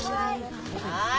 はい。